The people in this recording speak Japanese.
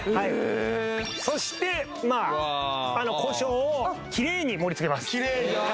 そして胡椒をキレイに盛りつけます